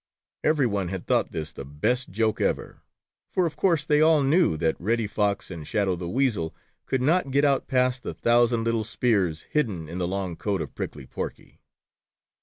Every one had thought this the best joke ever, for, of course, they all knew that Reddy Fox and Shadow the Weasel could not get out past the thousand little spears hidden in the long coat of Prickly Porky.